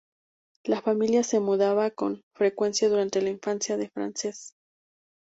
La familia se mudaba con frecuencia durante la infancia de Frances.